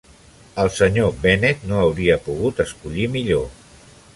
El senyor Bennet no hauria pogut escollir millor.